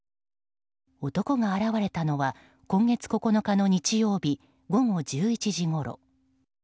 男が現れたのは今月９日の日曜日午後１１時ごろ。